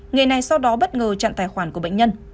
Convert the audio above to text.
người này sau đó bất ngờ chặn tài khoản của bệnh nhân